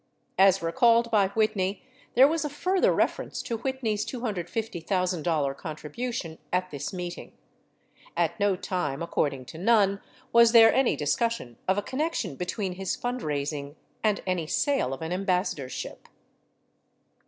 As recalled by Whitney, there was a further reference to Whitney's $250,000 contribution at this meeting. At no time, according to Nunn, was there any discussion of a connection between his fundraising and any sale of an ambassadorship.